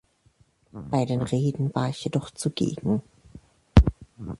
Bei den Reden war ich jedoch zugegen.